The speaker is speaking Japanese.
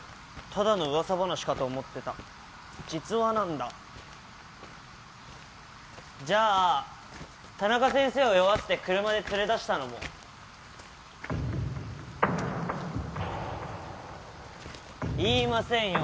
ただの噂話かと思ってた実話なんだじゃあ田中先生を酔わせて車で連れ出したのも言いませんよ